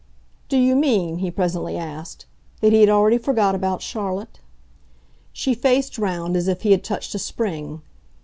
"Do you mean," he presently asked, "that he had already forgot about Charlotte?" She faced round as if he had touched a spring.